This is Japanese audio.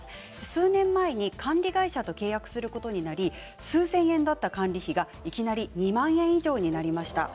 数年前に管理会社と契約することになり数千円だったという管理費がいきなり２万円以上になりました。